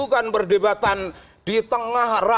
bukan berdebatan di tengah rumah